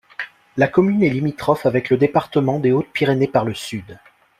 La commune est limitrophe avec le département des Hautes-Pyrénées par le sud.